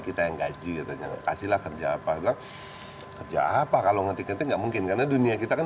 kita yang gaji kasihlah kerja apa apa kalau ngetiknya nggak mungkin karena dunia kita kan